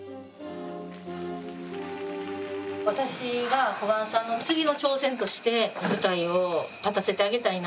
私が小雁さんの次の挑戦として舞台を立たせてあげたいなと思って。